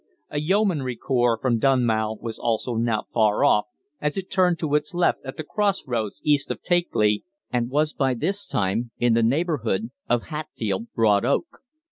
A Yeomanry corps from Dunmow was also not far off, as it turned to its left at the cross roads east of Takely, and was by this time in the neighbourhood of Hatfield Broad Oak.